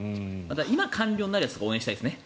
今、官僚になる人を応援したいですよね。